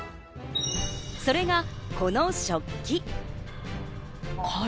それがこの食器。